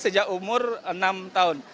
sejak umur enam tahun